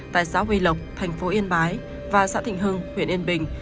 tại xã huy lộc thành phố yên bái và xã thịnh hưng huyện yên bình